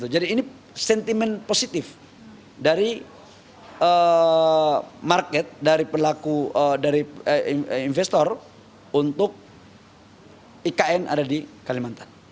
jadi ini sentimen positif dari market dari pelaku dari investor untuk ikn ada di kalimantan